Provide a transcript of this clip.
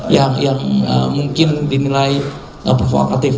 yang mungkin dinilai provokatif